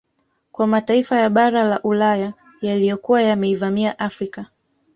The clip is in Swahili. Kwa mataifa ya bara la Ulaya yaliyokuwa yameivamia Afrika